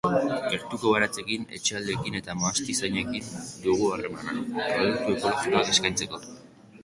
Gertuko baratzekin, etxaldeekin eta mahastizainekin dugu harremana, produkto ekolojikoak eskaintzeko.